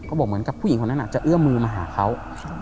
ก็บอกเหมือนกับผู้หญิงคนนั้นจะเอื้อมมือมาหาเขา